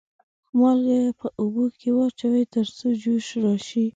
مالګه په اوبو کې واچوئ تر څو جوش راشي.